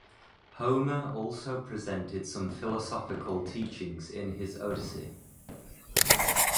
Homer also presented some philosophical teachings in his "Odyssey".